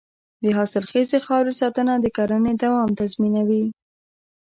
د حاصلخیزې خاورې ساتنه د کرنې دوام تضمینوي.